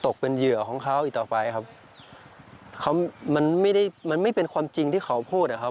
เป็นเหยื่อของเขาอีกต่อไปครับเขามันไม่ได้มันไม่เป็นความจริงที่เขาพูดอะครับ